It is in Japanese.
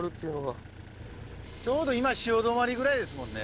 ちょうど今潮止まりぐらいですもんね。